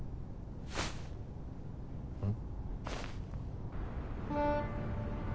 うん？